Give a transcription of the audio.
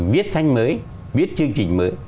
viết sách mới viết chương trình mới